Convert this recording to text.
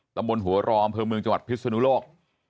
ตำบลหัวรออำเภอเมืองจังหวัดพิศนุโลก